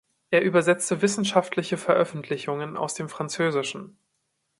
Er übersetzte wissenschaftliche Veröffentlichungen aus dem Französischen.